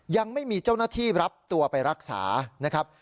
ยังไม่มีเจ้าหน้าที่รับตัวไปรักษานะครับ